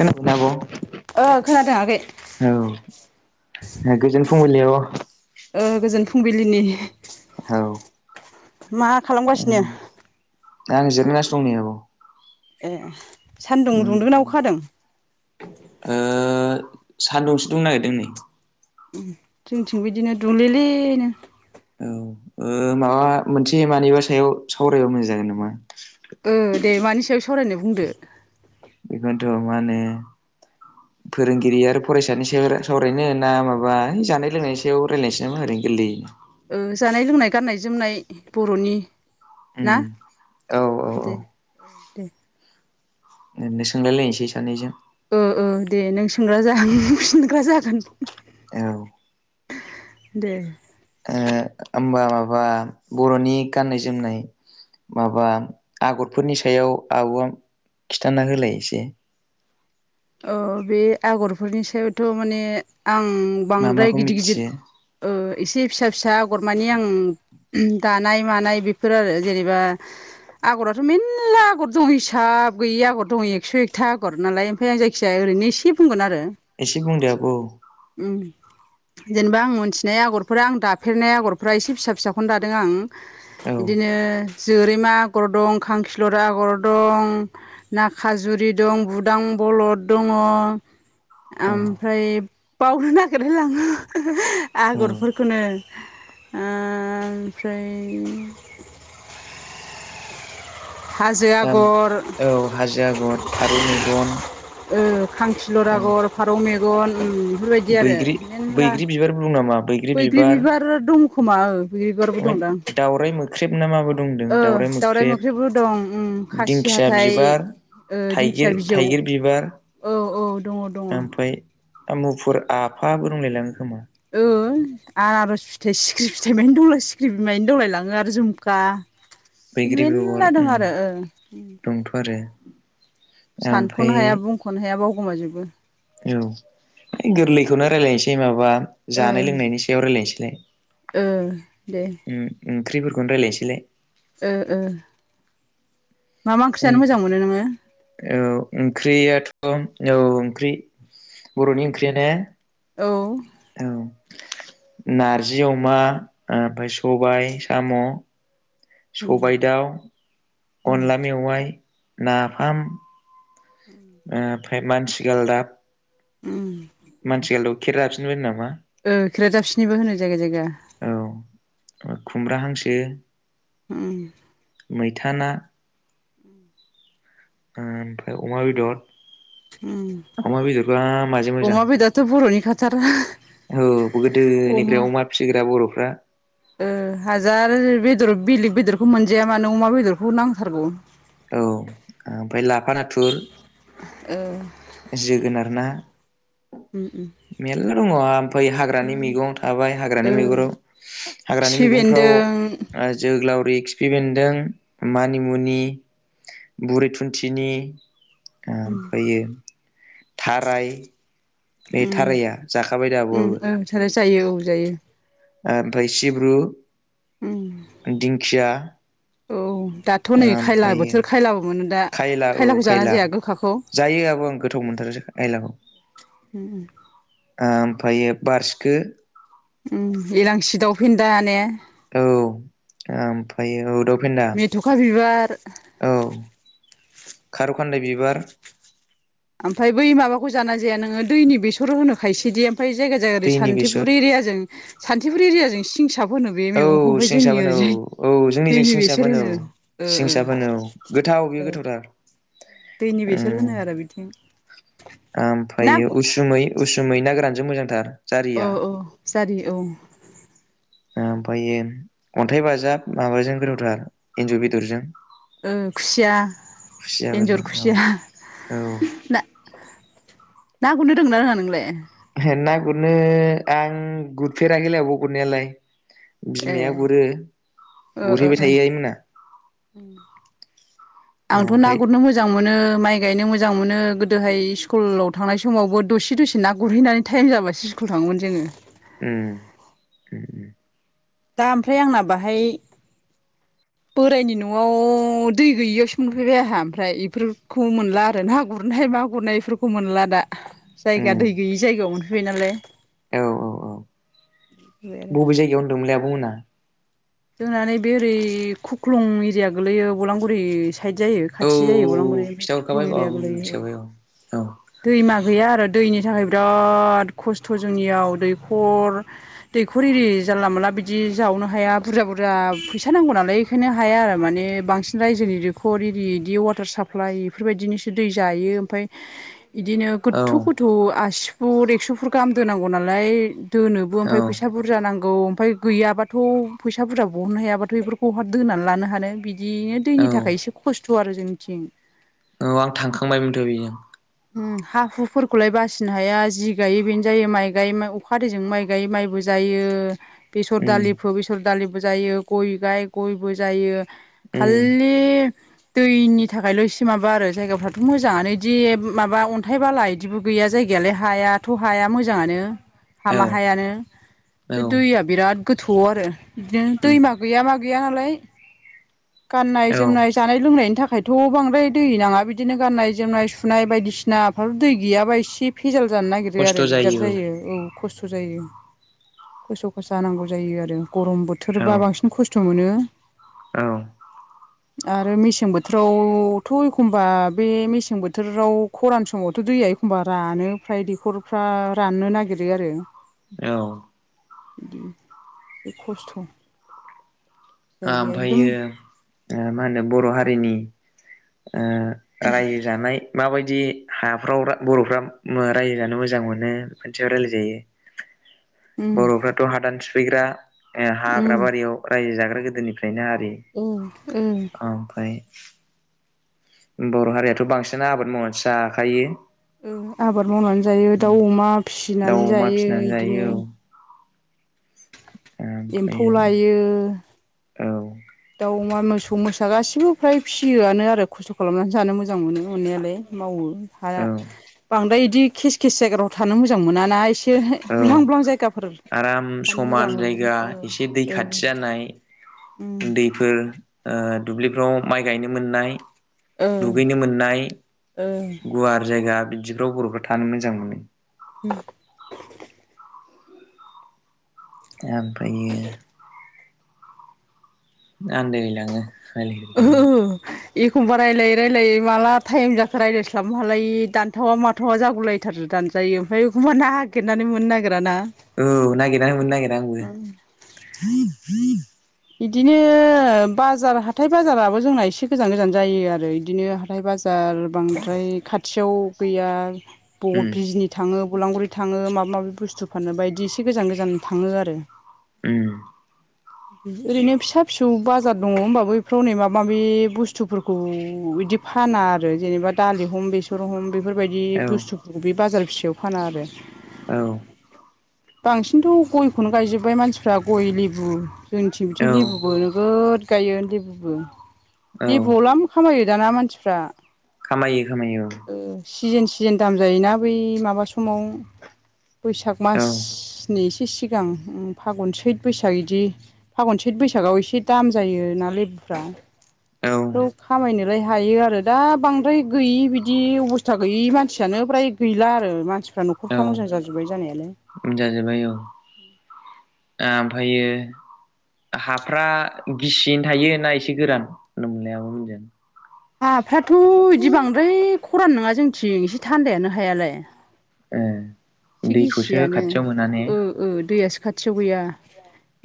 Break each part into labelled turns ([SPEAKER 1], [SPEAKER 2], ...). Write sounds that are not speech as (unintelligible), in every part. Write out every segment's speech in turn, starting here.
[SPEAKER 1] खनादो आब'?
[SPEAKER 2] ओ खोनादों आगै
[SPEAKER 1] औ (inaudible) गोजोन फुंबिलि आब'
[SPEAKER 2] ओ गोजोन फुंबिलिनि
[SPEAKER 1] औ
[SPEAKER 2] मा खालामगासिनो?
[SPEAKER 1] आं जिरगोनसि दं आब'।
[SPEAKER 2] ए सान्दुं दुंन्दोनाव
[SPEAKER 1] उम
[SPEAKER 2] अखा हादों?
[SPEAKER 1] सान्दुंसो दंनो नागिरदों नै।
[SPEAKER 2] जोंथिंबो बिदिनो दुंलेलेनो।
[SPEAKER 1] औ ओ माबा मोनसे मानिबा सायाव सावरायबा मोजां जागोन नामा?
[SPEAKER 2] ओ दे मानि सायाव सावरायनाय बुंदो
[SPEAKER 1] औ माने फोरोंगिरि आरो फरायसानि सायाव सावरायनो ना माबा जानाय लोंनायनि सायाव रायलायनोसै नामा ओरैनो। (unintelligible)
[SPEAKER 2] ओ जानाय लोंनाय गाननाय जोमनाय बर'नि।
[SPEAKER 1] उम
[SPEAKER 2] ना?
[SPEAKER 1] औ
[SPEAKER 2] (inaudible)
[SPEAKER 1] औ
[SPEAKER 2] दे औ दे
[SPEAKER 1] ओरैनो सोंलायलायनोसै सानैजों।
[SPEAKER 2] ओ ओ दे नों सोंग्रा आं फिनग्रा जागोन।
[SPEAKER 1] औ
[SPEAKER 2] दे
[SPEAKER 1] ओ होमबा माबा बर'नि गाननाय जोमनाय माबा आगरफोरनि सायाव आब'आ खिथाना होलाय एसे
[SPEAKER 2] (inaudible) औ बे आगरफोरनि सायावथ' माने आं
[SPEAKER 1] मा
[SPEAKER 2] बांद्राय
[SPEAKER 1] माखौ
[SPEAKER 2] गिदिर गिदिर
[SPEAKER 1] मिथियो
[SPEAKER 2] ओ एसे फिसा फिसा आगरमानानि आं दानाय मानाय बेफोर आरो जेनेबा आगराथ' मेर्ला आगर दं हिसाब गैयि आगर दङ एकस' एकथा आगर नालाय ओमफ्राय आं जायखिजाया ओरैनोसे बुंगोन आरो।
[SPEAKER 1] एसे बुंदो आब'
[SPEAKER 2] उम जेनेबा आं मोनथिनाय आगरफोरा आं दाफेरनाय आगरफोरा एसे फिसा फिसाखौनो दादों आं।
[SPEAKER 1] औ
[SPEAKER 2] बिदिनो जोरैमा आगर दं खांखिलर आगर दं ना खाजुरि दं बुदां बलद दङो
[SPEAKER 1] औ
[SPEAKER 2] ओमफ्राय बावनो नागिरलाय लाङो।
[SPEAKER 1] औ
[SPEAKER 2] आगरफोरखौनो ओमफ्राय (unintelligible)
[SPEAKER 1] ओम
[SPEAKER 2] आगर
[SPEAKER 1] औ हाजो आगर फारौ मेगन
[SPEAKER 2] ओ खांखिलर
[SPEAKER 1] ओम
[SPEAKER 2] आगर फारौ मेगन उम बेफोरबायदि आरो
[SPEAKER 1] बैग्रि
[SPEAKER 2] मेनला
[SPEAKER 1] बैग्रि बिबारबो दं नामा?
[SPEAKER 2] बैग्रि बिबार दंखोमा ओ बिबारबो
[SPEAKER 1] ओमफ्राय
[SPEAKER 2] दं दां
[SPEAKER 1] दावराइ मोख्रेब ना माबो दंदों
[SPEAKER 2] ओ
[SPEAKER 1] दावराइ
[SPEAKER 2] दावराय मोख्रेबबो दं उम खासि
[SPEAKER 1] खिया
[SPEAKER 2] हाथाइ
[SPEAKER 1] बिबार
[SPEAKER 2] ओ दिंखिया बिजौ
[SPEAKER 1] थाइगिर-थाइगिर बिबार
[SPEAKER 2] औ औ दङ दङ
[SPEAKER 1] ओमफाय द मुफुर आफाबो दंलायलाङो खोमा
[SPEAKER 2] ओ आनारज फिथाइ सिखिरि फिथाइ मानि दंलाय सिख्रि बिमायनि दौलाय लाङो आरो जुमखा
[SPEAKER 1] बैग्रि बेगर
[SPEAKER 2] मेलला दं
[SPEAKER 1] ओम
[SPEAKER 2] आरो ओ
[SPEAKER 1] दंथ' आरो
[SPEAKER 2] सानख'नो
[SPEAKER 1] ओमफ्राय
[SPEAKER 2] हाया बुंख'नो हाया बावगोमाजोबो
[SPEAKER 1] औ है गोरलैखौनो राइलायनोसै माबा
[SPEAKER 2] ओ
[SPEAKER 1] जानाय लोंनायनि सायाव राइलायनोसैलाय
[SPEAKER 2] ओ दे
[SPEAKER 1] ओंख्रिफोरखौनो राइलायनोसैलाय
[SPEAKER 2] ओ-ओ मा-मा ओंख्रि
[SPEAKER 1] उम
[SPEAKER 2] जानो मोजां मोनो नोङो
[SPEAKER 1] औ ओंख्रियाथ' औ ओंख्रि बर'नि ओंख्रि द ने
[SPEAKER 2] औ
[SPEAKER 1] औ नारजि अमा ओमफाय सबाय साम'
[SPEAKER 2] उम
[SPEAKER 1] सबाइ दाउ
[SPEAKER 2] उम
[SPEAKER 1] अनला मेवाइ नाफाम
[SPEAKER 2] (unintelligible)
[SPEAKER 1] ओमफाय मानथिगालदाब
[SPEAKER 2] उम
[SPEAKER 1] मानथि गालदाबखौ खेरा दाफिनिबो होनो नामा
[SPEAKER 2] ओ खेरादाफिनिबो होनो जायगा-जायगा
[SPEAKER 1] औ खुमब्रा हांसो
[SPEAKER 2] उम
[SPEAKER 1] मैथा ना ओमफाय अमा
[SPEAKER 2] उम
[SPEAKER 1] बेदर अमा बेदरफ्रा माजों मोजां
[SPEAKER 2] अमा बेदराथ' बर'नि खाथार
[SPEAKER 1] औ गोदोनिफ्राय अमा फिसिग्रा बर'
[SPEAKER 2] ओ हाजार बेदर बेलेग बेदरखौ मोनजाया मानो अमा बेदरखौ नांथारगौ
[SPEAKER 1] औ ओमफाय लाफा नाथुर
[SPEAKER 2] ओ
[SPEAKER 1] जोगोनार ना
[SPEAKER 2] उम-उम
[SPEAKER 1] मेरला दङ ओमफाय हाग्रानि मैगं थाबाय हाग्रानि
[SPEAKER 2] ओ
[SPEAKER 1] मैहुराव हाग्रानि
[SPEAKER 2] खिफि
[SPEAKER 1] मैगंफ्राव
[SPEAKER 2] बेन्दों
[SPEAKER 1] ओ जोगलावरि खिफि बेन्दों मानिमुनि बुरि थुन्थिनि ओमफोयो थाराइ
[SPEAKER 2] उम-उम ओं साराय जायो औ जायो
[SPEAKER 1] ओमफाय सिब्रु
[SPEAKER 2] उम
[SPEAKER 1] दिंखिया
[SPEAKER 2] औ दाथ' नै खायला
[SPEAKER 1] ओमफ्रायो
[SPEAKER 2] बोथोर खायलाबो मोनो दा
[SPEAKER 1] खायला औ
[SPEAKER 2] खायलाखौ जाना
[SPEAKER 1] खायला
[SPEAKER 2] जाया गोखाखौ
[SPEAKER 1] जायो आब' आं गोथाव मोनथारो खायलाखौ
[SPEAKER 2] उम
[SPEAKER 1] ओमफायो बारसिखो
[SPEAKER 2] उम इलांसि दाउ फेनदा ने
[SPEAKER 1] औ ओमफायो औ दाउफेनदा
[SPEAKER 2] मेथ'खा बिबार
[SPEAKER 1] औ खार'खान्दाय बिबार
[SPEAKER 2] ओमफ्राय बै माबाखौ जाना जाया नोङो दैनि बेसर होनो खायसेदि ओमफाय जायगा जायगादि
[SPEAKER 1] दैनि बेसर
[SPEAKER 2] सानटिफुर एरियाजों सानटिफुर एरियाजों सिं
[SPEAKER 1] औ सिं साबोन औ औ जोंनिजों
[SPEAKER 2] दैनि
[SPEAKER 1] सिं
[SPEAKER 2] बेसर
[SPEAKER 1] साबोन औ सिं
[SPEAKER 2] होनो ओ
[SPEAKER 1] साबोन औ गोथाव बेयो
[SPEAKER 2] ओ
[SPEAKER 1] गोथावथार
[SPEAKER 2] दैनि बेसर
[SPEAKER 1] उम
[SPEAKER 2] होनो आरो बिथिं ना
[SPEAKER 1] ओमफ्रायो उसुमै उसुमै ना गोरानजों मोजांथार
[SPEAKER 2] औ
[SPEAKER 1] जारिया
[SPEAKER 2] औ जारि औ
[SPEAKER 1] ओमफायो अन्थाइ बाजाब माबाजों गोथावथार एन्जर बेदरजों।
[SPEAKER 2] उम खुसिया एन्जर
[SPEAKER 1] खुसियाफोरजों औ
[SPEAKER 2] खुसिया
[SPEAKER 1] औ
[SPEAKER 2] ना ना गुरनो रोंङो ना रोङा नोंलाय?
[SPEAKER 1] ना गुरनो आं गुरफेराखैलै आब' गुरनायालाय।
[SPEAKER 2] ए
[SPEAKER 1] बिमाया गुरो
[SPEAKER 2] ओ ओ
[SPEAKER 1] गुरहैबाय
[SPEAKER 2] ओ
[SPEAKER 1] थायो आइ मोना।
[SPEAKER 2] आंथ' ना गुरनो मोजां मोनो। माइ गायनो मोजां मोनो गोदोहाय स्कुलाव थांनाय समावबो दसे दसे ना गुरहैनानै टाइम जाबासो स्कुलाव थाङोमोन जोङो।
[SPEAKER 1] उम उम उम
[SPEAKER 2] दा ओमफ्राय आंना बाहाय बोरायनि न'आव दै गैयियावसो मोनफैबाय आहा ओमफ्राय इफोरखौ मोनला आरो ना गुरनाय मा गुरनायफोरखौ मोनला दा जायगा
[SPEAKER 1] उम
[SPEAKER 2] दै
[SPEAKER 1] उम
[SPEAKER 2] गैयि जायगायाव मोनफैबाय नालाय।
[SPEAKER 1] औ औ औ बबे जायगायाव होनदोंमोनलै आब' मोनना?
[SPEAKER 2] जोंना नै बे ओरै खुख्लं एरिया गोलैयो बलांगुरि साइद जायो
[SPEAKER 1] औ
[SPEAKER 2] खाथि जायो बलांगुरिया खुख्लुं
[SPEAKER 1] खिथाहरखाबाय औ
[SPEAKER 2] एरिया गोलैयो औ।
[SPEAKER 1] मिथिखाबाय औ
[SPEAKER 2] दैमा गैया आरो दैनि थाखाय बिराद खस्थ' जोंनियाव दैखर दैखर एरि जानला मोनाला बिदि जावनो हाया बुरजा बुरजा फैसा नांगौ नालाय बेखायनो हाया आरो माने बांसिन रायजो नि दैखर इरि इदि वाटार साप्लाइ इफोरबायदिनोसो दै जायो ओमफ्राय इदिनो
[SPEAKER 1] औ
[SPEAKER 2] गोथौ गोथौ आसि फुट एक्स' फुट गाहाम दोनांगौ नालाय दोनोबो
[SPEAKER 1] औ
[SPEAKER 2] ओमफाय फैसा बुरजा नां गौ ओमफाय गैयाबाथ' फैसा बुरजा बहननो हायाबाथ' बेफोरखौ बहा दोनानै लानो हानो बिद दिनो
[SPEAKER 1] औ
[SPEAKER 2] दैनि थाखाय एसे खस्थ' आरो जोंनिथिं।
[SPEAKER 1] औ आं थांखांबायमोनथ' बेजों।
[SPEAKER 2] उम हा हु फोरखौलाय बासिनो हाया जि गायो बेनो जायो माइ गाय अखा दैैजों माइ गाय माइबो जा यो बेसर
[SPEAKER 1] उम
[SPEAKER 2] दालिफोर बेसर दालिबो जायो गय गाय गयबो जायो।
[SPEAKER 1] उम
[SPEAKER 2] खाललि दैनि थाखायल' एसे माबा आरो जायगाफ्राथ' मोजाङानो इदि माबा अन्थाइ बाला इदिबो गैया जायगायालाय हायाथ' हाया मोजाङानो।
[SPEAKER 1] औ
[SPEAKER 2] हामा हायानो बे
[SPEAKER 1] औ
[SPEAKER 2] दैया बिराद गोथौ आरो बिदिनो
[SPEAKER 1] उम
[SPEAKER 2] दैमा गैया मा गैया गैया नालाय गाननाय
[SPEAKER 1] औ
[SPEAKER 2] जोमनाय जानाय लोंनायनि था खायथ' बांद्राय दै नाङा बिदिनो गाननाय जोमनाय सुनाय बायदिसिना फ्राथ' दै गैयाबा एसे भेजाल जानो नागिरो आरो दिगदार जायो औ। खस्थ' जायो खस्थ' खसा नांगौ जायो आरो गरम
[SPEAKER 1] औ
[SPEAKER 2] बोथोरबा बांसिन खस्थ' मोनो।
[SPEAKER 1] औ
[SPEAKER 2] आरो मेसें बोथोरावथ' एखमबा बे मेसें बोथोराव खरान समावथ' दैया एखमबा रानो फ्राय दैख'रफ्रा राननो नागिरो आरो।
[SPEAKER 1] औ
[SPEAKER 2] बिदि एसे खस्थ'। जायगाया एकदम
[SPEAKER 1] ओमफायो ओ मा होनो बर' हारिनि ओ रायजो जानाय माबाय दि हाफ्राव बर'फ्रा रायजो जानो मोजां मोनो बेफोरनि सायाव रायलायजायो।
[SPEAKER 2] (inaudible)
[SPEAKER 1] बर'फ्राथ' हादान सुफैग्रा
[SPEAKER 2] उम
[SPEAKER 1] हाग्रा बारियाव रायजो जाग्रा गोदोनिफ्राय नो आरो
[SPEAKER 2] औ ओ
[SPEAKER 1] आमफाय‌ बर' हारियाथ' बांसिनानो आबाद मावनानैसो जाखायो।
[SPEAKER 2] औ आबाद मावनानै जायो दाउ, अमा
[SPEAKER 1] दाउ
[SPEAKER 2] फिसिनानै
[SPEAKER 1] अमा
[SPEAKER 2] जायो
[SPEAKER 1] फिसिनानै जायो
[SPEAKER 2] इदिनो
[SPEAKER 1] औ
[SPEAKER 2] एम्फौ
[SPEAKER 1] ओमफ्रायो
[SPEAKER 2] लायो
[SPEAKER 1] औ।
[SPEAKER 2] दाउ अमा, मोसौ -मोसा गासिबो फ्राय फिसियोआनो आरो खस्थ' खालामनानै जानो मोजां मोनो मोननायालाय मावो। रुम बारा
[SPEAKER 1] औ
[SPEAKER 2] -बांद्राय इदि केस- केेस जायगायाव थानो मोजां मोनाना एसे ब्लां
[SPEAKER 1] औ
[SPEAKER 2] -ब्लां जायगाफोर
[SPEAKER 1] आराम
[SPEAKER 2] थानो मोजां
[SPEAKER 1] समान
[SPEAKER 2] मोनो
[SPEAKER 1] जायगा एसे दै
[SPEAKER 2] ओं-ओं।
[SPEAKER 1] खाथि जानाय दैफोर दुब्लिफ्राव माइ गायनो मोननाय
[SPEAKER 2] ओ
[SPEAKER 1] दुगैनो मोननाय,
[SPEAKER 2] ओ
[SPEAKER 1] गुवार जायगा बिदिफ्राव बर'फ्रा थानो मोजां मोनो।
[SPEAKER 2] अम।
[SPEAKER 1] ओमफ्रायो आन्दायलाय लाङो फारि-फारियै
[SPEAKER 2] एखनबा रायलायै -रायलायै मला टाइम जाखो राय्लायस्लाबनो हालायै दानथावा माथावा जागौलायथारो दानजायो ओमफ्राय एखमबा ना नागिरनानै मोननो नागिरा ना?
[SPEAKER 1] औ नागिरनानै मोनो नागिरा आंबो।
[SPEAKER 2] इदिनो बाजार हाथाय बाजाराबो जोंना एसे गोजान -गोजान जायो आरो इदिनो हाथाइ बाजार आरो बांद्राय खाथियाव गैया बबाव
[SPEAKER 1] उम
[SPEAKER 2] बिजनि थाङो गलांगुरि थाङो माबा- माबि बुस्थु फानो बायदि एसे गोजान- गोजान थाङो आरो।
[SPEAKER 1] अम।
[SPEAKER 2] ओरैनो फिसा -फिसौ बाजार दङ होनबाबो बेफोराव हनै माबा -माबि बुस्थुफोरखौ बिदि फा फाना आरो जेनेबा दालि हम, बेसर हम बेफोरबायदि
[SPEAKER 1] औ
[SPEAKER 2] बुस्थुफोरखौ बे बाजार फिसायाव फाना आरो।
[SPEAKER 1] औ।
[SPEAKER 2] बांसिनथ' गयखौनो गायजोब्बाय मानसिफ्रा गय, लेबु जोंनिथिं बिथिं
[SPEAKER 1] औ
[SPEAKER 2] लेबुबो नोगोद गायो लेबुबो
[SPEAKER 1] औ
[SPEAKER 2] -लेबुआव लाम खामायो। दाना मानसिफ्रा
[SPEAKER 1] खामायो -खामायो औ।
[SPEAKER 2] सिजोन- सिजोन दाम जायोना बै माबा समाव बैसाग
[SPEAKER 1] औ
[SPEAKER 2] मासनि एसे सिगां फागुन, सैत, बैसाग बिदि फागुन, सैथ, बैसागआव एसे दाम जायो नालाय -ब्रा
[SPEAKER 1] औ
[SPEAKER 2] बेफोराव खामायनोलाय हायो आरो दा बांद्राय गैयि बिदि बिदि अबस्था गैयि मानसियानो फ्राय गैला आरो मानसिफ्रा
[SPEAKER 1] औ
[SPEAKER 2] न'खरफ्रा मोजां जाजोब्बाय जानायालाय।
[SPEAKER 1] जाजोब्बाय औ ओमफ्रायो हाफ्रा गिसियैनो थायो ना एसे गोरान होनदों मोनलाय आबो मोनजों?
[SPEAKER 2] हाफ्राथ' बिदि बांद्राय खरान नङा जोंथिं एसे थान्दायानो हायालाय।
[SPEAKER 1] ऐ।
[SPEAKER 2] एसे गिसियानो ओ-ओ दैयासो खाथियाव गैया।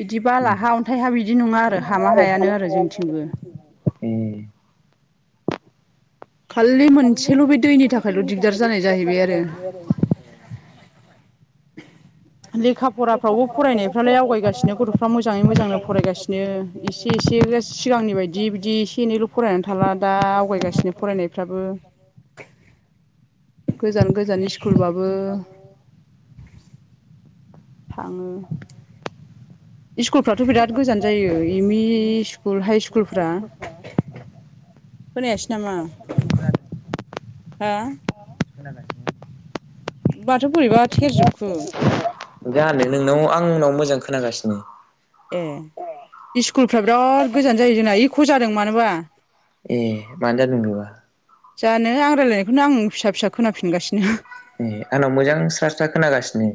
[SPEAKER 2] बिदिबा
[SPEAKER 1] उम
[SPEAKER 2] लाहा अन्थाइ हा बिदि नङा आरो हामा हायानो आरो जोंथिंबो।
[SPEAKER 1] ऐ
[SPEAKER 2] खालि मोनसेल' बे दैनि थाखायल' दिग्दार जानाय जाहैबाय आरो। (inaudible) लेखा फराफ्रावबो फरायनायफ्रालाय आवगायगासिनो गथ'फ्रा मोजाङै -मोजांनो फरायगासिनो एसे -एसे सिगांनि बायदि बिदि एसे एनैल' फरायनानै थाला दा आवगायगासिनो फरायनायफ्राबो। गोजान -गोजाननि स्कुलबाबो थाङो। स्कुलफ्राथ' बिराद गोजान जायो एमइ स्कुल, हाइ स्कुलफ्रा खोनायासै नामा हा-। माथो बोरैबा थेरजोब-।
[SPEAKER 1] जानो नोंनाव आं नाव मोजां खोनागासिनो दंङ।
[SPEAKER 2] ए इस्कुलफ्रा बिराद गोजान जायो जोंना इख' जादों मानोबा।
[SPEAKER 1] ए मानो जादों बेबा।
[SPEAKER 2] जानो आं रायजलायनायखौनो आं फिसा- फिसा खोनाफिनगासिनो।
[SPEAKER 1] ए आंनाव मोजां स्रा स्रा खोनागासिनो।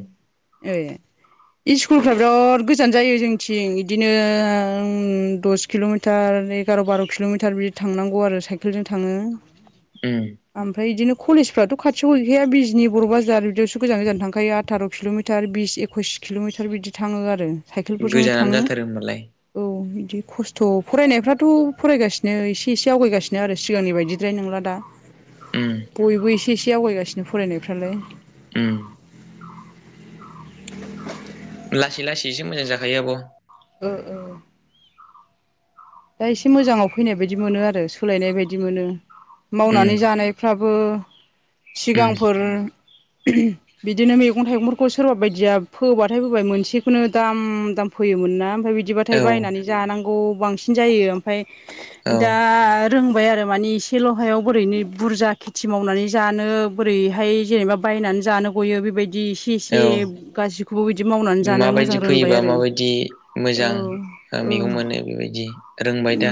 [SPEAKER 2] इस्कुलफ्रा बिराद गोजान जायो जोंनिथिं बिदिनो दस किल'मिटार। एगार' बार' किल'मिटार बिदि थांनांगौ आरो साइकेलजों थाङो।
[SPEAKER 1] उम
[SPEAKER 2] ओमफ्राय बिदिनो कलेज फ्राथ'। खाथियाव गैखाया बिजनि बर' बाजार बिदियावसो गोजान गोजान थांखायो आथार' कि'लमिटार बिस एकइस किल'मिटार बिदि। बिदि थांङो आरो साइकेलफोरजोंनो
[SPEAKER 1] गोजानानो
[SPEAKER 2] थाङो
[SPEAKER 1] जाथारो होमबालाय
[SPEAKER 2] औ। बिदि खस्थ' फरायनायफ्राथ' फरायगासिनो एसे एसे आवगायगासिनो आरो सिगांनि बायदि। बिदिद्राय नंला दा
[SPEAKER 1] उम
[SPEAKER 2] बयबो एसे एसे आवगायगासिनो फरायनायफ्रालाय।
[SPEAKER 1] उम
[SPEAKER 2] (inaudible)
[SPEAKER 1] लासै लासैसो मोजां जाखायो आब'।
[SPEAKER 2] ओ ओ-। दा एसे मोजांङाव फैनाय बायदि मोनो आरो सोलायनाय बायदि मोनो।
[SPEAKER 1] उम
[SPEAKER 2] मावनानै जानायफ्राबो।
[SPEAKER 1] उम
[SPEAKER 2] सिगांफोर। बिदिनो मैगं थाइगंफोरखौ सोरबा बायदिया फोबाथाय फोबाय मोनसेखौनो दाम- दाम फोयो। फोयोमोनना ओमफाय बिदिबाथाय
[SPEAKER 1] औ
[SPEAKER 2] बायनानै जानांगौ बांसिन जायो ओमफाय
[SPEAKER 1] औ
[SPEAKER 2] दा-। रोंबाय आरो मानि एसेल' हायाव बोरै बुरजा खेथि मावनानै जानो बोरैहाय जेनेबा बाय। बायनानै जानो गयो बेबायदि। बिदि इसे
[SPEAKER 1] औ
[SPEAKER 2] इसे गासिखौबो बिदि मावनानै जानो
[SPEAKER 1] माबायदि
[SPEAKER 2] मोजां रोंबाय
[SPEAKER 1] फैयोबा
[SPEAKER 2] आरो
[SPEAKER 1] माबायदि
[SPEAKER 2] औ।
[SPEAKER 1] मोजां
[SPEAKER 2] औ
[SPEAKER 1] मैगं मोनो बेबायदि रोंबाय दा।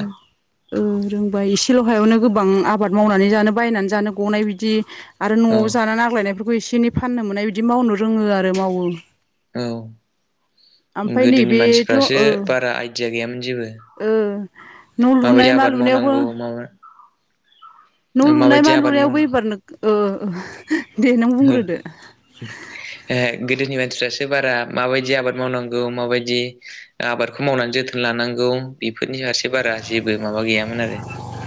[SPEAKER 2] ओं रोंबाय एसेल' हायावनो गोबां आबाद मावनानै जानो बायनानै जानो गनाय बिदि। आरो
[SPEAKER 1] औ
[SPEAKER 2] न'आव जानानै आग्लायनायफोरखौ एसे एनै फाननो मोननाय बिदि मावनो रोंङो आरो मावो।
[SPEAKER 1] औ
[SPEAKER 2] ओमफ्राय
[SPEAKER 1] गोदोनि
[SPEAKER 2] नैबेथ'
[SPEAKER 1] मानसिफ्रासो
[SPEAKER 2] ओ
[SPEAKER 1] बारा आइदिया।
[SPEAKER 2] ओ न'
[SPEAKER 1] माबायदि
[SPEAKER 2] लुनाय मा
[SPEAKER 1] आबाद
[SPEAKER 2] लुनायावबो।
[SPEAKER 1] मावनांगौ माबा
[SPEAKER 2] न' लुनाय
[SPEAKER 1] माबायदि
[SPEAKER 2] मा
[SPEAKER 1] आबाद
[SPEAKER 2] लुनायावबो एबारनो ओ। दे नों
[SPEAKER 1] ओ
[SPEAKER 2] बुंग्रोदो
[SPEAKER 1] ए गै-। गोदोनि मानसिफ्रासो बारा माबायदि आबाद मावनांगौ माबायदि आबादखौ मावनानै जोथोन लानांगौ। बेफोरनि फारसे बारा जेबो माबा गैयामोन आरो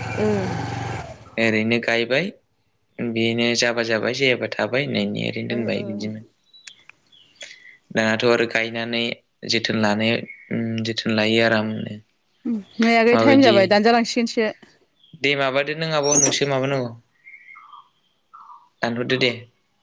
[SPEAKER 2] ओ
[SPEAKER 1] ओरैनो गायबाय। बेनो जाबा जाबाय जायाबा थाबाय होननानै ओरैनो
[SPEAKER 2] ओ ओ
[SPEAKER 1] दोनबाय बिदिमोन।
[SPEAKER 2] (inaudible)
[SPEAKER 1] दानाथ आरो गायनानै जोथोन लानो जोथोन लायो आरामनो।
[SPEAKER 2] नै आगै टाइम
[SPEAKER 1] माबायदि
[SPEAKER 2] जाबाय दानजालांसिगोनसो।
[SPEAKER 1] दे माबादो नों आब' नोंसो माबानांगौ दानहरदो दे।